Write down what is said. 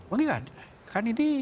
mengikat kan ini